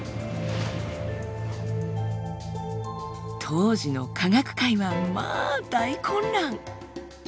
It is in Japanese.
当時の科学界はまあ大混乱！